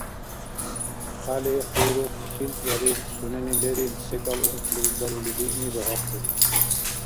Хяли къуйрукъ силтӀбариб, сунени лерил секӀал ункъли далули диъни багьахъур.